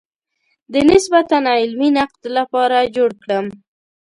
د نسبتاً علمي نقد لپاره جوړ کړم.